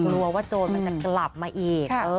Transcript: กลัวว่าโจรมันจะกลับมาอีก